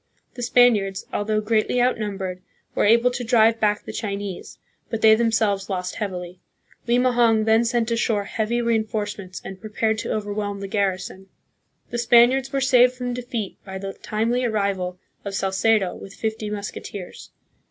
The Spaniards, although greatly outnum bered, were able to drive back the Chinese; but they themselves lost heavily. Limahong then sent ashore heavy reinforcements, and prepared to overwhelm the garrison. The Spaniards were saved from defeat by the timely ar rival of Salcedo with fifty musketeers.